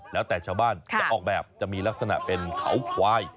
แล้วแต่ชาวบ้านจะออกแบบจะมีลักษณะเป็นเขาควาย